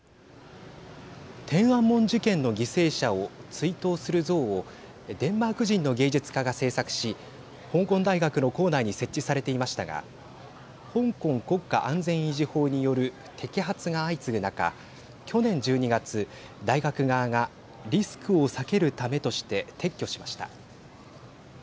天安門事件の犠牲者を追悼する像をデンマーク人の芸術家が制作し香港大学の構内に設置されていましたが香港国家安全維持法による摘発が相次ぐ中去年１２月、大学側がリスクを避けるためとして撤去しました。